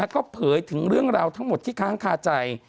ก็เผยถึงเรื่องราวทั้งหมดที่ค้างคาใจ